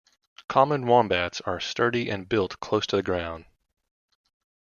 Common wombats are sturdy and built close to the ground.